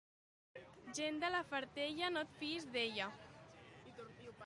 Gent de la Fatarella, no et fiïs d'ella.